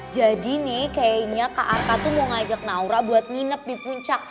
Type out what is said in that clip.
jadi nih kayaknya kak arka tuh mau ngajak naura buat nginep di puncak